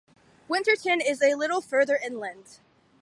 Winterton is a little further inland.